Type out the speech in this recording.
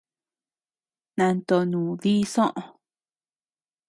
Nantonu dii soʼö.